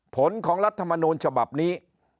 ผลของรัฐมนูลฉบับนี้